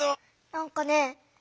なんかね